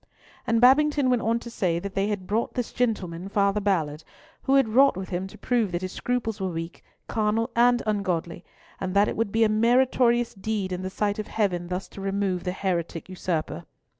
And Babington went on to say that they had brought this gentleman, Father Ballard, who had wrought with him to prove that his scruples were weak, carnal, and ungodly, and that it would be a meritorious deed in the sight of Heaven thus to remove the heretic usurper.